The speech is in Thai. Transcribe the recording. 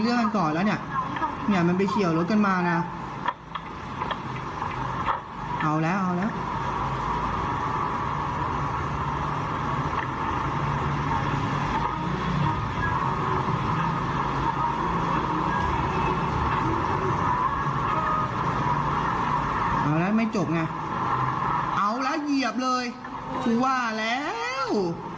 เอาละเหยียบเลยคือว่าแล้ว